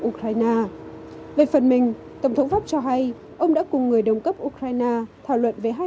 ukraine về phần mình tổng thống pháp cho hay ông đã cùng người đồng cấp ukraine thảo luận về hai